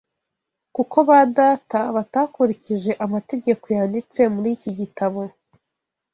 kuko ba data batakurikije amategeko yanditse muri iki gitabo